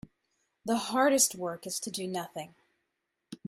The hardest work is to do nothing.